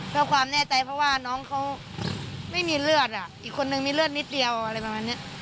เพื่อความแน่ใจเพราะว่าน้องเขาไม่มีเลือดอ่ะอีกคนนึงมีเลือดนิดเดียวอะไรประมาณนี้